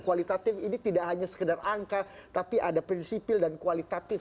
kualitatif ini tidak hanya sekedar angka tapi ada prinsipil dan kualitatif